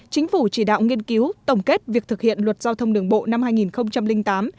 chính phủ chỉ đạo nghiên cứu tổng kết việc thực hiện luật giao thông đường bộ năm hai nghìn tám